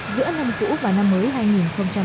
giữa năm cũ và năm mới hai nghìn một mươi bảy